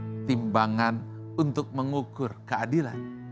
ada timbangan untuk mengukur keadilan